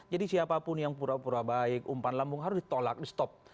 jadi siapapun yang pura pura baik umpan lambung harus ditolak di stop